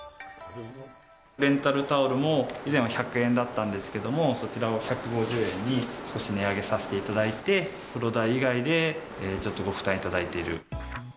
レンタルタオルも以前は１００円だったんですけれども、そちらを１５０円に少し値上げさせていただいて、お風呂代以外でちょっとご負担いただいている。